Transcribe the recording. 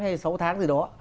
hay sáu tháng gì đó